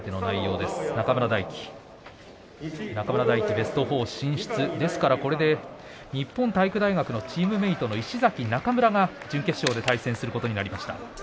ですから、これで日本体育大学のチームメートの石崎、中村が準決勝で対戦することになりました。